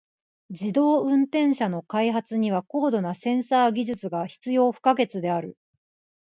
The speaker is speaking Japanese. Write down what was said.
自動運転車の開発には高度なセンサー技術が必要不可欠である。